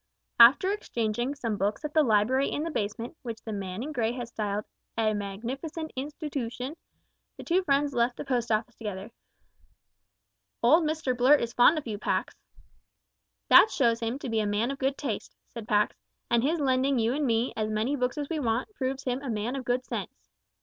After exchanging some books at the library in the basement, which the man in grey had styled a "magnificent institootion," the two friends left the Post Office together. "Old Mr Blurt is fond of you, Pax." "That shows him to be a man of good taste," said Pax, "and his lending you and me as many books as we want proves him a man of good sense.